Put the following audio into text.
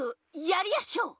やりやしょう！